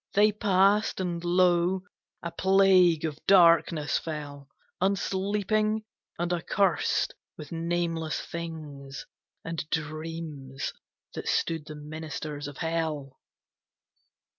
They passed, and lo, a plague of darkness fell, Unsleeping, and accurst with nameless things, And dreams that stood the ministers of Hell!